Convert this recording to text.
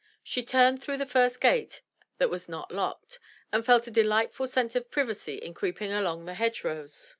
She turned through the first gate that was not locked, and felt a delightful sense of privacy in creeping along by the hedge rows.